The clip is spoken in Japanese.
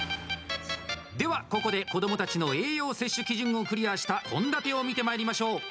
では、ここで子どもたちの栄養摂取基準をクリアした献立を見てまいりましょう。